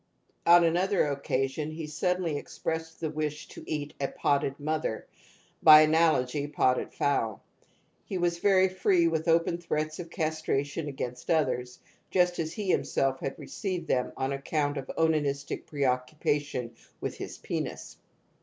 On another occasion he suddenly expressed the wish to eat a '' potted mother " (by analogy, potted fowl). He was very free with open threats of castration against others, just as he himself had •* Ferenozi, i.e., p. 209. 218 TOTEM AND TABOO received them on account of onanistic preoccu pation with his penis.